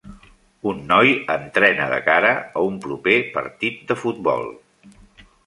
Un noi entrena de cara a un proper partit de futbol.